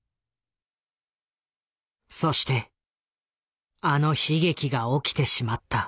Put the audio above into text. そしてあの悲劇が起きてしまった。